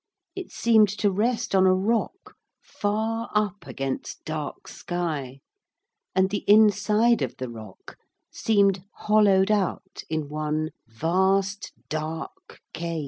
It seemed to rest on a rock far up against dark sky, and the inside of the rock seemed hollowed out in one vast dark cave.